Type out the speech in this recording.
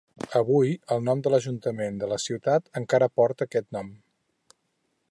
Avui el nom de l'ajuntament de la ciutat encara porta aquest nom.